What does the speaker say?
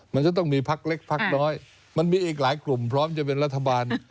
มันจะต้องมีพักเล็กพักน้อยมันมีอีกหลายกลุ่มพร้อมจะเป็นรัฐบาล